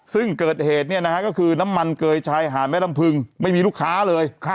ซึ่งเกิดเหตุเนี่ยนะฮะก็คือน้ำมันเกยชายหาดแม่ลำพึงไม่มีลูกค้าเลย